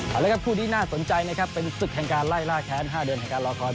เอาละครับคู่นี้น่าสนใจนะครับเป็นศึกแห่งการไล่ล่าแค้น๕เดือนแห่งการรอคอย